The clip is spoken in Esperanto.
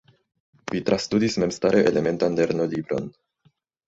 Vi trastudis memstare elementan lernolibron.